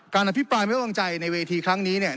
การอภิปรายไม่วางใจในเวทีครั้งนี้เนี่ย